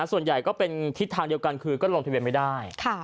ส่วนใหญ่ก็เป็นทิศทางเดียวกันคือก็ลงทะเบียนไม่ได้